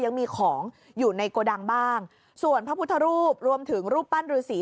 ยังมีของอยู่ในโกดังบ้างส่วนพระพุทธรูปรวมถึงรูปปั้นรือสี